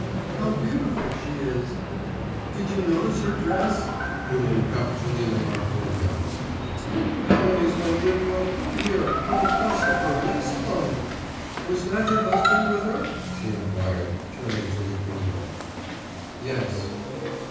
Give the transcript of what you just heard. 'How beautiful she is!' 'Did you notice her dress?' put in Kapitolina Markovna. 'Ten families might live for a whole year on the cost of her lace alone. Was that her husband with her?' she inquired turning to Litvinov. 'Yes.